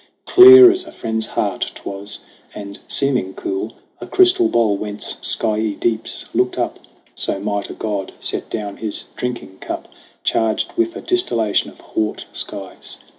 Clear as a friend's heart, 'twas, and seeming cool A crystal bowl whence skyey deeps looked up. So might a god set down his drinking cup Charged with a distillation of haut skies.